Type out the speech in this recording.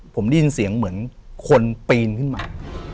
ผมได้ยินเสียงเหมือนคนปีนขึ้นมา